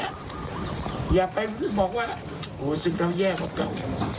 อย่าไปบอกว่าโหศึกเราแย่กว่าเก่า